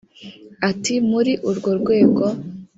Ati “Muri urwo rwego